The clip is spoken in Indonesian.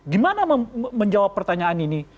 gimana menjawab pertanyaan ini